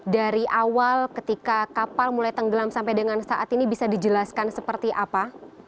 dari awal ketika kapal mulai tenggelam sampai dengan saat ini bisa dijelaskan seperti apa